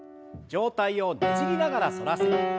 上体をねじりながら反らせて。